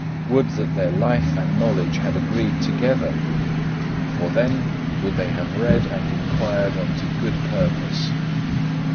Would that their life and knowledge had agreed together! For then would they have read and inquired unto good purpose.